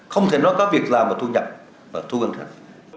không thể nói có việc làm vào thu nhập và thu gân thân